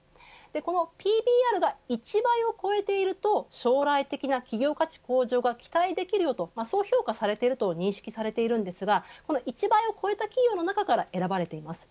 このＰＢＲが１倍を超えていると将来的な企業価値向上が期待できるとそう評価されていると認識されていますが、この１倍を超えた企業の中から選ばれています。